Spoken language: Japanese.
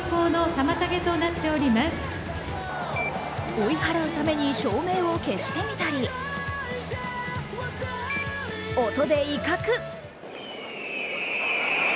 追い払うために照明を消してみたり音で威嚇。